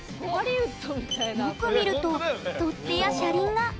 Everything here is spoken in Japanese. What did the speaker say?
よく見ると、取っ手や車輪が。